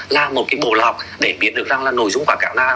là một cái bộ lọc để biết được rằng là nội dung quảng cáo nào